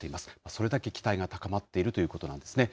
それだけ期待が高まっているということなんですね。